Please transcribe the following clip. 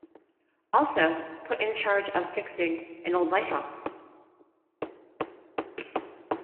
Also put in charge of fixing an old lighthouse.